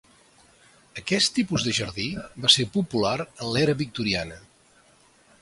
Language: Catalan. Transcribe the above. Aquest tipus de jardí va ser popular en l'era victoriana.